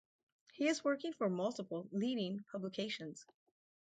He is working for multiple leading Publications.